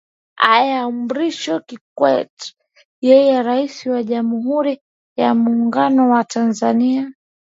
aya mrisho kikwete yeye rais wa jamhurui ya muungano wa tanzania